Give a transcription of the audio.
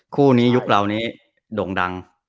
คู่นี้ยุคเรานี้โด่งดัง